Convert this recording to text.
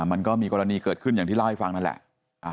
มันก็มีกรณีเกิดขึ้นอย่างที่เล่าให้ฟังนั่นแหละ